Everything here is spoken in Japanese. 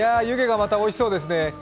湯気がまたおいしそうですね。